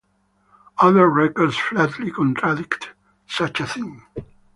Other records flatly contradict such a thing.